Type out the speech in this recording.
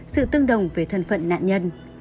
sự tương đồng với thân phận nạn nhân